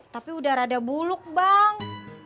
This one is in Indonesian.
tapi udah rada buluk bang